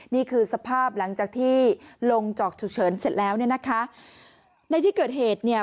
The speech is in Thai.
นี่คือสภาพหลังจากที่ลงจอกฉุกเฉินเสร็จแล้วเนี่ยนะคะในที่เกิดเหตุเนี่ย